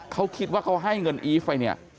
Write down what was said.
เขาคิดว่าเขาให้เงินอีฟไปเนี่ย